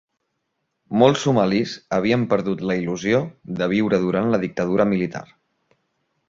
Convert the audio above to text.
Molts somalis havien perdut la il·lusió de viure durant la dictadura militar.